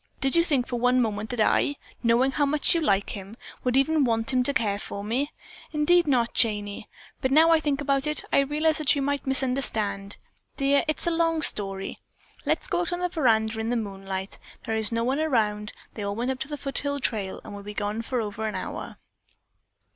Did you think for one moment that I, knowing how much you liked him, would even want him to care for me? Indeed not, Janey! But now that I think about it, I realize that you might misunderstand. Dear, it's a long story. Let's go out on the veranda in the moonlight. There is no one around. They all went up the foothill trail and will be gone for an hour."